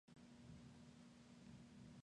En sus orígenes, Molins era un marquesado.